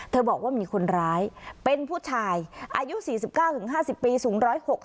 บอกว่ามีคนร้ายเป็นผู้ชายอายุ๔๙๕๐ปีสูง๑๖๐